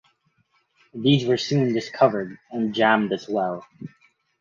These were soon discovered and jammed as well.